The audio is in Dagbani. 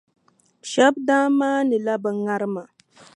Shɛba daa maanila bɛ ŋarima.